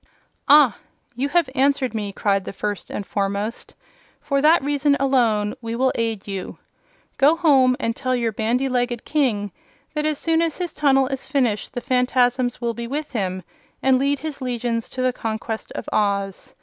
"Ah! you have answered me," cried the First and Foremost. "For that reason alone we will aid you. Go home, and tell your bandy legged king that as soon as his tunnel is finished the Phanfasms will be with him and lead his legions to the conquest of Oz.